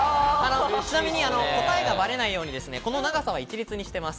答えがバレないように、ここの長さは一律にしています。